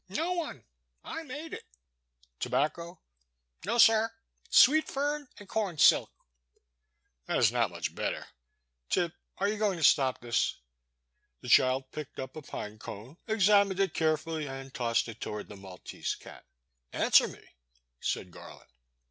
" No one, I made it." "Tobacco?" No, sir, sweet fern and com silk." That is not much better. Tip, are you going to stop this? " The child picked up a pine cone, examined it carefully, and tossed it toward the Maltese cat. Answer me," said Garland.